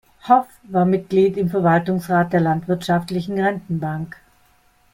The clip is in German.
Hoff war Mitglied im Verwaltungsrat der Landwirtschaftlichen Rentenbank.